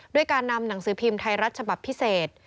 ด้วยการนำหนังสือพิมพ์ไทยรัฐฉบับพิเศษ